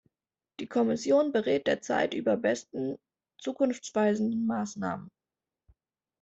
Die Kommission berät derzeit über besten zukunftsweisenden Maßnahmen.